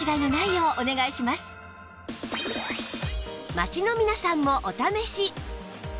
街の皆さんもお試し